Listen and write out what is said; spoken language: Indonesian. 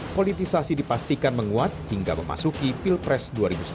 politisasi dipastikan menguat hingga memasuki pilpres dua ribu sembilan belas